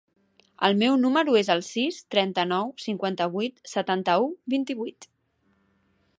El meu número es el sis, trenta-nou, cinquanta-vuit, setanta-u, vint-i-vuit.